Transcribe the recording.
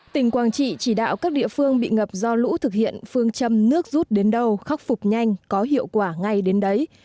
tỉnh quảng trị chỉ đạo các địa phương bị ngập do lũ thực hiện phương châm nước rút đến đâu khắc phục nhanh có hiệu quả ngay đến đấy